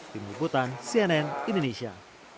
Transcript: tim hukutan cnn indonesia